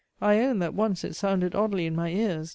I own that once it sounded oddly in my ears.